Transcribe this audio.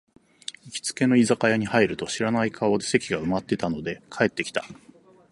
行きつけの居酒屋に入ると、知らない顔で席が埋まってたので帰ってきた